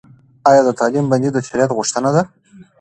ایا د تعلیم بندیز د شرعیت غوښتنه ده؟